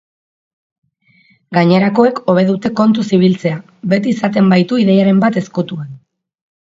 Gainerakoek hobe dute kontuz ibiltzea, beti izaten baitu ideiaren bat ezkutuan.